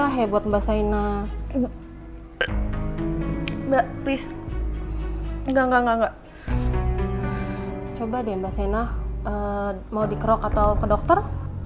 kamu ke dokter